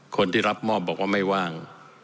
คนที่รับมอบบอกว่าไม่ว่าง